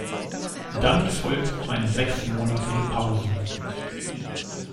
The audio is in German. Dann folgt eine sechsmonatige Pause.